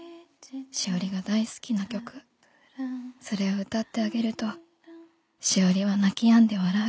「詩織が大好きな曲」「それを歌ってあげると詩織は泣きやんで笑う」